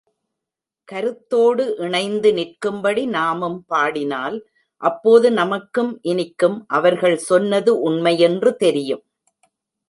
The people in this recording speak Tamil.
கருத்தோடு இணைந்து நிற்கும்படி நாமும் பாடினால் அப்போது நமக்கும் இனிக்கும் அவர்கள் சொன்னது உண்மையென்று தெரியும்.